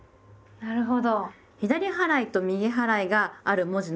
なるほど。